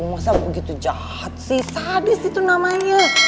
masa begitu jahat sih sadis itu namanya